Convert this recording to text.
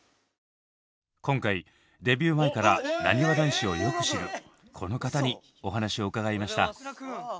今回デビュー前からなにわ男子をよく知るこの方にお話を伺いました。